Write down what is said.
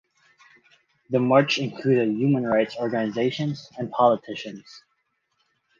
The march included human rights organisations and politicians.